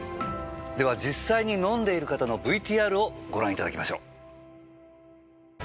では実際に飲んでいる方のＶＴＲをご覧いただきましょう。